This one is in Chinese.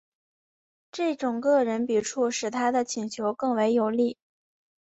这种个人笔触使他的请求更为有力。